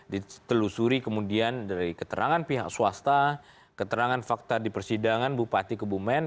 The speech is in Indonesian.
ditelusuri kemudian dari keterangan pihak swasta keterangan fakta di persidangan bupati kebumen